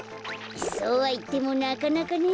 そうはいってもなかなかね。